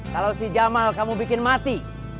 kalau si jamal kamu bikin mati